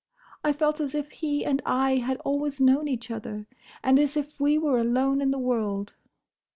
I felt as if he and I had always known each other, and as if we were alone in the world.